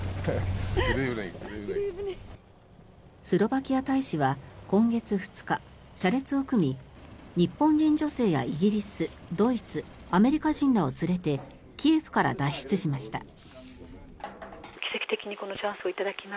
スロバキア大使は今月２日車列を組み日本人女性やイギリスドイツ、アメリカ人らを連れてキエフから脱出しました。